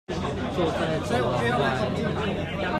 坐在走廊外